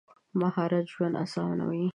مهارت ژوند اسانوي.